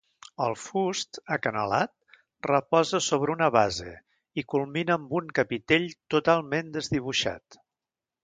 El fust, acanalat, reposa sobre una base, i culmina amb un capitell totalment desdibuixat.